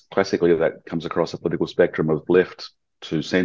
klasiknya itu berkaitan dengan spektrum politik